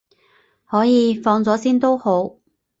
可以，放咗先都好